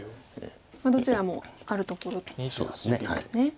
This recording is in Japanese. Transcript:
どちらもあるところということですね。